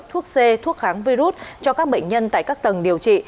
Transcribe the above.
thuốc c thuốc kháng virus cho các bệnh nhân tại các tầng điều trị